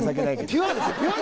ピュアですよ